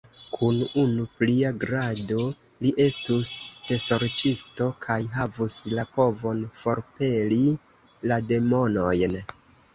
Kun unu plia grado, li estus desorĉisto kaj havus la povon forpeli la demonojn!